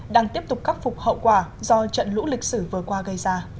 đang tiếp tục khắc phục hậu quả do trận lũ lịch sử vừa qua gây ra